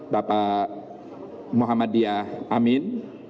bapak muhammadiyah amin